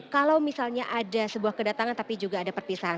kalau misalnya ada sebuah kedatangan tapi juga ada perpisahan